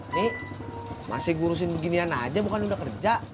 ini masih ngurusin beginian aja bukan udah kerja